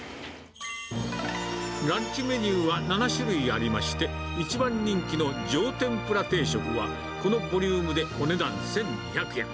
ランチメニューは７種類ありまして、一番人気の上天ぷら定食は、このボリュームでお値段１２００円。